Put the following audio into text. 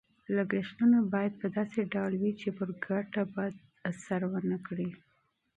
لګښتونه باید په داسې ډول وي چې پر ګټه منفي اغېز ونه کړي.